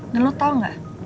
dan lu tau nggak